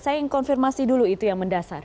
saya ingin konfirmasi dulu itu yang mendasar